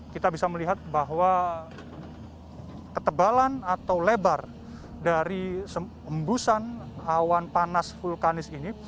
kita bisa melihat bahwa ketebalan atau lebar dari embusan awan panas vulkanis ini